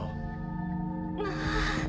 まあ。